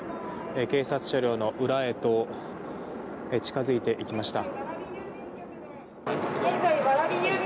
警察車両の裏へと近づいていきました。